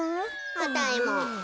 あたいも。